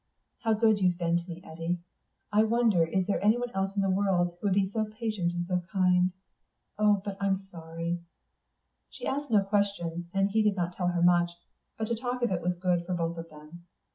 How good you've been to me, Eddy. I wonder is there anyone else in the world would be so patient and so kind. Oh, but I'm sorry." She asked no questions, and he did not tell her much. But to talk of it was good for both of them.